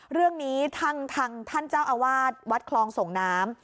เรื่องนี้ทางท่านเจ้าอาวาสวัดคลองส่งน้ำ